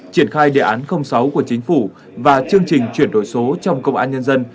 triển khai đề án sáu của chính phủ và chương trình chuyển đổi số trong công an nhân dân